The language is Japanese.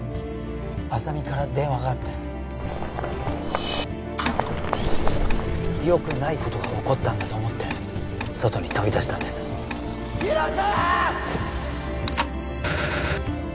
浅見から電話があってよくないことが起こったんだと思って外に飛び出したんです広沢！